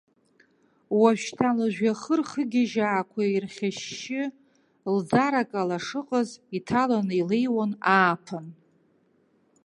Уажәшьҭа лыжәҩахыр хыгьежьаақәа ирхьышьшьы, лӡара-кала шыҟаз иҭаланы илеиуан ааԥын.